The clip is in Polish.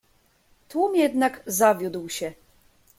"Tłum jednak zawiódł się."